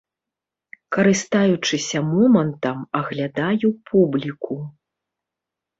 Карыстаючыся момантам, аглядаю публіку.